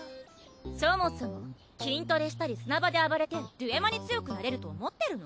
そもそも筋トレしたり砂場で暴れてデュエマに強くなれると思ってるの？